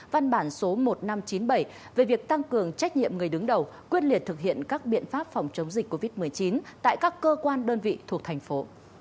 văn bản số một nghìn năm trăm chín mươi bảy về việc tăng cường trách nhiệm người đứng đầu quyết liệt thực hiện các biện pháp phòng chống dịch covid một mươi chín tại các cơ quan đơn vị thuộc thành phố